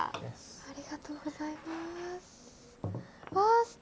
ありがとうございます。